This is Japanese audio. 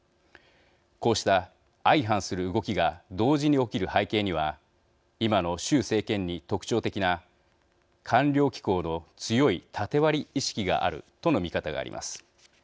こうした相反する動きが同時に起きる背景には今の習政権に特徴的な官僚機構の強い縦割り意識があるとの見方があります。